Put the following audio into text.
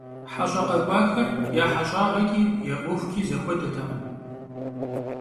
Heş'e khak'uexer ya heş'ağeç'i ya 'uexuç'i zexuedetekhım.